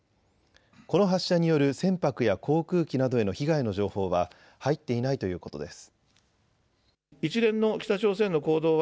この発射による船舶や航空機などへの被害の情報は入っていないということです。